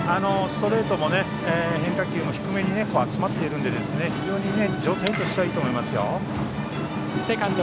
ストレートも変化球も低めに集まっているので状態としてはいいと思います。